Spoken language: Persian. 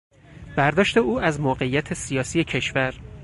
برداشت او از موقعیت سیاسی کشور